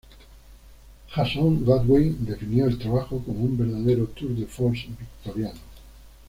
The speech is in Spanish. Jason Goodwin definió el trabajo como un verdadero tour de force victoriano.